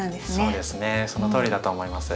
そうですねそのとおりだと思います。